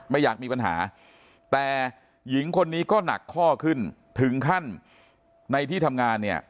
ไม่อยากมีปัญหาแต่หญิงคนนี้ก็หนักข้อขึ้นถึงขั้นในที่ทำงานเนี่ย